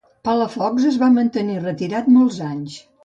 Palafox es va mantenir retirat molts anys.